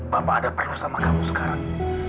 bapak ada penuh sama kamu sekarang